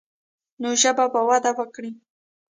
نو ژبه به وده وکړي.